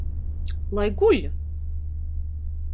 Lai guļ!